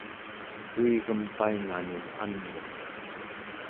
kuigem painganun an'uq